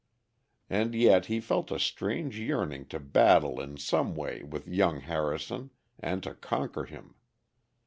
And yet he felt a strange yearning to battle in some way with young Harrison, and to conquer him.